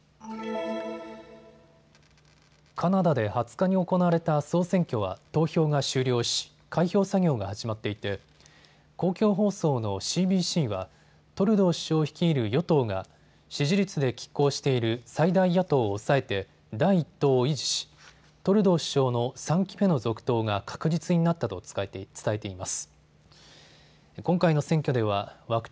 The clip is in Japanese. カナダで２０日に行われた総選挙は投票が終了し開票作業が始まっていて公共放送のＣＢＣはトルドー首相率いる与党が支持率できっ抗している最大野党を抑えて第１党を維持しトルドー首相の３期目の続投が確実になったと伝えています。